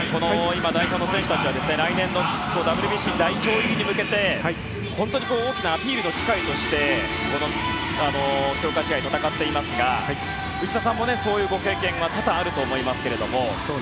今、代表の選手たちは来年のＷＢＣ代表に向けて本当に大きなアピールの機会として強化試合を戦っていますが内田さんもそういうご経験が多々あると思いますが。